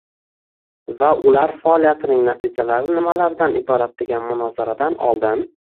va ular faoliyatining natijalari nimalardan iborat degan munozaradan oldin